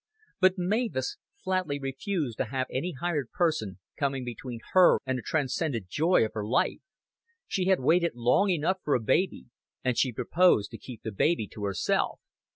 But Mavis flatly refused to have any hired person coming between her and the transcendent joy of her life. She had waited long enough for a baby, and she proposed to keep the baby to herself.